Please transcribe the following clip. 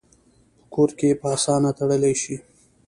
په کور کې یې په آسانه تړلی شي.